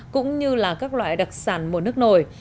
cũng như là các loại đặc sản mùa nước nổi